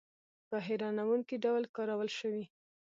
په هیرانوونکې ډول کارول شوي.